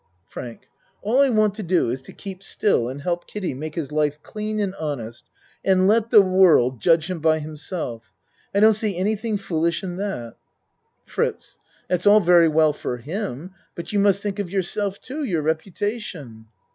FRANK All I want to do is to keep still and help Kiddie make his life clean and honest, and then let the world judge him by himself. I don't see anything foolish in that. FRITZ That's all very well for him but you must think of yourself too your reputation.